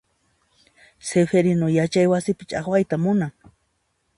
Sifirinu yachay wasipi chaqwayta munan.